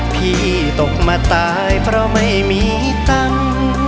พี่ตกมาตายเพราะไม่มีตังค์